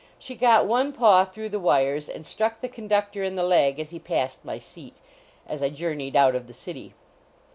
She got one paw through the wires and struck the conductor in the leg as he passed my seat, as I journeyed out of the city.